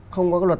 không có cái luật